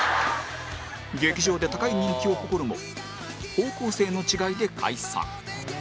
劇場で高い人気を誇るも方向性の違いで解散